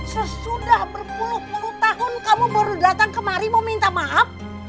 sesudah berpuluh puluh tahun kamu baru datang kemarimu minta maaf